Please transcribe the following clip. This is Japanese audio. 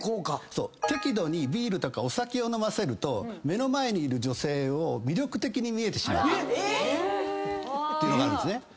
適度にビールとかお酒を飲ませると目の前にいる女性が魅力的に見えてしまうってのがあるんです。